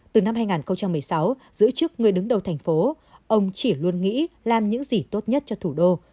từ năm hai nghìn một mươi sáu giữ chức người đứng đầu thành phố ông chỉ luôn nghĩ làm những gì tốt nhất cho thủ đô